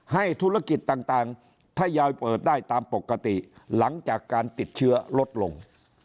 ให้ธุรกิจต่างทยอยเปิดได้ตามปกติหลังจากการติดเชื้อลดลง